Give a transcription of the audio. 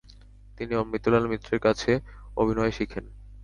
তিনি অমৃতলাল মিত্রের কাছে অভিনয় শিখেন।